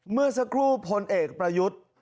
เมื่อสักครู่พลเอกประยุทธ์